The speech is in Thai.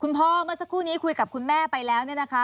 เมื่อสักครู่นี้คุยกับคุณแม่ไปแล้วเนี่ยนะคะ